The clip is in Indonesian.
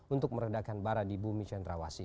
untuk meredakan bara di bumi cendrawasi